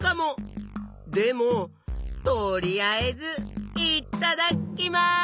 でもとりあえずいっただきます！